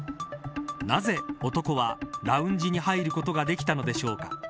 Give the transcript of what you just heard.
なぜ、男はラウンジに入ることができたのでしょうか。